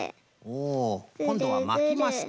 おこんどはまきますか。